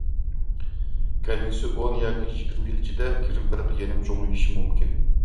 كەلگۈسى ئون ياكى يىگىرمە يىل ئىچىدە، كىرىم پەرقى يەنىمۇ چوڭىيىشى مۇمكىن.